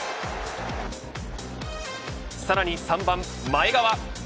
さらに、３番前川。